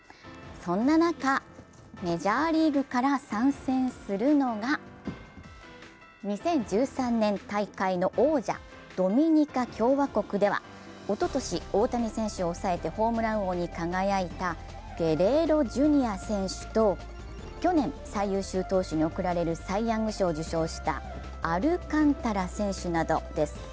そんな中、メジャーリーグから参戦するのが２０１３年大会の王者・ドミニカ共和国ではおととし大谷選手を抑えてホームラン王に輝いたゲレーロ・ジュニア選手と去年、最優秀投手に贈られるサイ・ヤング賞を受賞した、アルカンタラ選手などです。